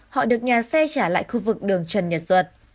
họ được nhà xe trả lại khu vực đường trần nhật duật